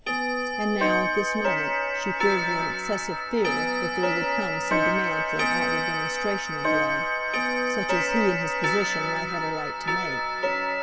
And now, at this moment, she feared with an excessive fear that there would come some demand for an outward demonstration of love, such as he in his position might have a right to make.